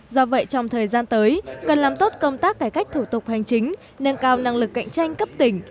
do vậy trong thời gian tới cần làm tốt công tác cải cách thủ tục hành chính nâng cao năng lực cạnh tranh cấp tỉnh